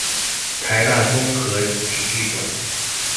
台大綜合體育館